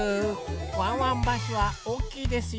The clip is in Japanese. ワンワンバスはおおきいですよ。